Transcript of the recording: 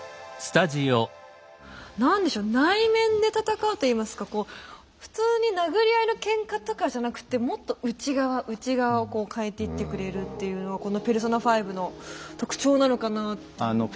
何でしょう内面で戦うといいますかこう普通に殴り合いのけんかとかじゃなくてもっと内側内側をこう変えていってくれるっていうのはこの「ペルソナ５」の特徴なのかなぁっていう。